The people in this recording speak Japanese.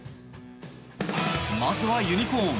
まずはユニコーン。